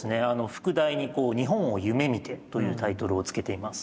副題に「日本を夢みて」というタイトルをつけています。